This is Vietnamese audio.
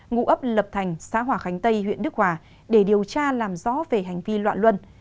ngụ ấp lập thành xã hòa khánh tây huyện đức hòa để điều tra làm rõ về hành vi loạn luân